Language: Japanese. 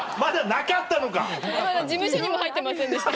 事務所にも入ってませんでした。